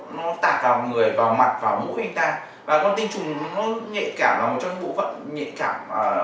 nó tạp vào người vào mặt vào mũi anh ta và con tinh trùng nó nhạy cảm là một trong những bộ phận nhạy cảm